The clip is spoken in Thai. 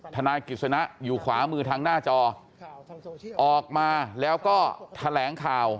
ทนายกิจสนะอยู่ขวามือทางหน้าจอออกมาแล้วก็แถลงข่าว